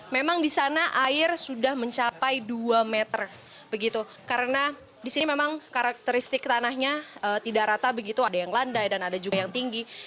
memang di sana air sudah mencapai dua meter karena di sini memang karakteristik tanahnya tidak rata begitu ada yang landai dan ada juga yang tinggi